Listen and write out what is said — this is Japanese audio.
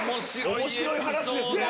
面白い話ですね。